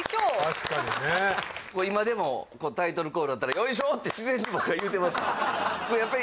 確かにねもう今でもタイトルコールあったら「ヨイショ」って自然に僕は言うてました